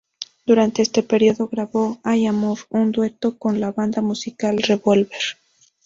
Durante este período, grabó "Ay amor", un dueto con la banda musical Revólver.